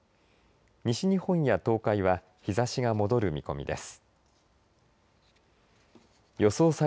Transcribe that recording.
西日本や東海は日ざしが戻る見込みです。